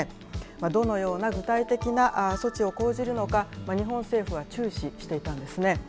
どのような具体的な措置を講じるのか、日本政府は注視していたんですね。